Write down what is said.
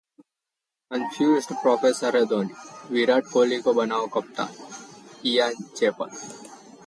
confused professor हैं धोनी, विराट कोहली को बनाओ कैप्टन: इयान चैपल